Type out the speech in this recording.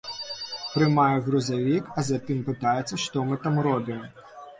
Прымае грузавік, а затым пытаецца, што мы там робім.